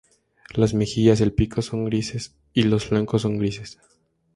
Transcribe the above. Las mejillas, el pico son grises y los flancos son grises.